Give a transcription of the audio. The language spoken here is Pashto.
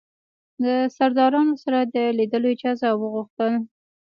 د سردارانو سره د لیدلو اجازه وغوښتل.